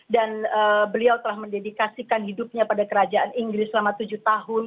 dan beliau telah mendedikasikan hidupnya pada kerajaan inggris selama tujuh tahun